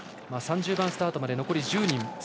３０番スタートまで残り１０人。